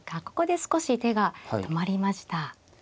ここで少し手が止まりました。